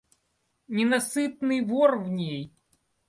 Ненасытный вор в ней.